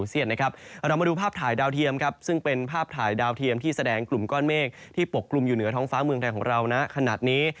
เรามาดูภาพถ่ายดาวเทียมซึ่งเป็นภาพถ่ายดาวเทียมที่แสดงกลุ่มก้อนเมฆที่ปกกลุ่มอยู่เหนือท้องฟ้าเมืองไทยของเรานะขนาดนี้